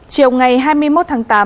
chiều ngày hai mươi một tháng tám